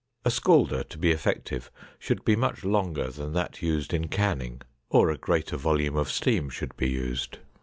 A scalder to be effective should be much longer than that used in canning, or a greater volume of steam should be used.